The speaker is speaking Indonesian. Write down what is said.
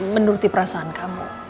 menuruti perasaan kamu